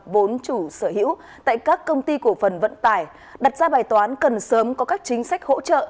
vốn chủ sở hữu tại các công ty cổ phần vận tải đặt ra bài toán cần sớm có các chính sách hỗ trợ